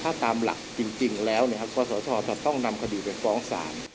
ถ้าตามหลากจริงแล้วกรสธชต้องนำคดีเป็นปลองสาร